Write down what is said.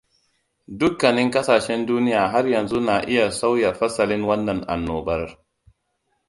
“Dukanin kasashen duniya har yanzu na iya sauya fasalin wannan annobar.